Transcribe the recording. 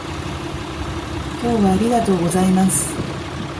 今日はありがとうございます